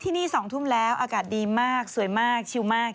ที่นี่๒ทุ่มแล้วอากาศดีมากสวยมากชิวมาก